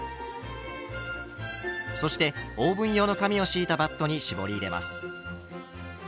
そしてオーブン用の紙を敷いたバットに絞り入れます。